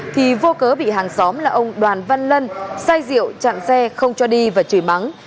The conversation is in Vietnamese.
thì vô cớ bị hàng xóm là ông đoàn văn lân sai rượu chặn xe không cho đi và chửi mắng